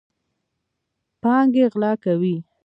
پانګې غلا کوي.